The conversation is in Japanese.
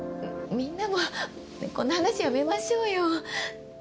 みんなもこんな話やめましょうよ。